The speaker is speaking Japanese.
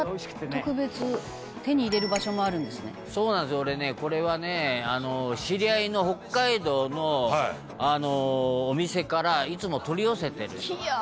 俺ねこれはね知り合いの北海道のお店からいつも取り寄せてる」